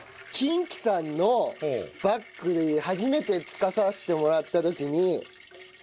キンキさんのバックに初めて付かさせてもらった時に。